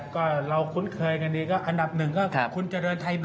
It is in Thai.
ก็เราคุ้นเคยกันดีก็อันดับ๑คุณเจริญไทยเบฟ